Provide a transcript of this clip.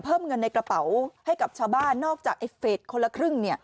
เพิ่มเงินในกระเป๋าให้กับชาวบ้านนอกจากไอ้เฟสคนละครึ่ง